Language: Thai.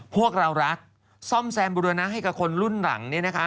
พวกเรารักซ่อมแซมบุรณะให้กับคนรุ่นหลัง